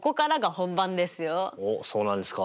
おっそうなんですか。